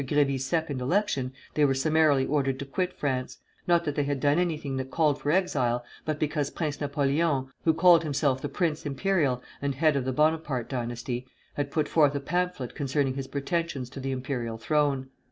Grévy's second election, they were summarily ordered to quit France; not that they had done anything that called for exile, but because Prince Napoleon (who called himself the Prince Imperial and head of the Bonaparte dynasty) had put forth a pamphlet concerning his pretensions to the imperial throne.